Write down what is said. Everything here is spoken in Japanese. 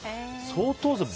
相当ですよね。